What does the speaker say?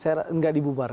kami mau tinggal sesekali